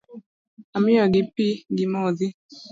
Amiyo gi pi gimodhi.